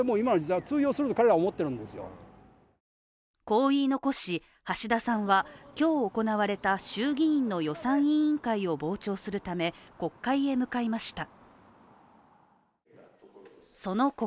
こう言い残し橋田さんは、今日行われた衆議院の予算委員会を傍聴するため国会へ向かいました。